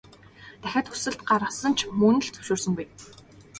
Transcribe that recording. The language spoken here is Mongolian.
Дахиад хүсэлт гаргасан ч мөн л зөвшөөрсөнгүй.